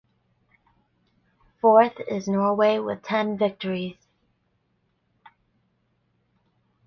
Fourth is Norway with ten victories.